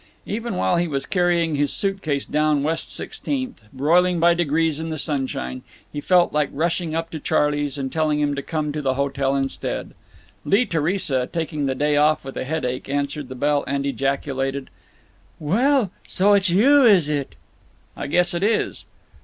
Even while he was carrying his suit case down West Sixteenth, broiling by degrees in the sunshine, he felt like rushing up to Charley's and telling him to come to the hotel instead. Lee Theresa, taking the day off with a headache, answered the bell, and ejaculated: "Well! So it's you, is it?" "I guess it is."